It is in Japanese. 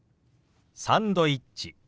「サンドイッチ」。